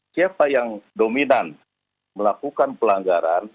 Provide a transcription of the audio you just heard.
siapa yang dominan melakukan pelanggaran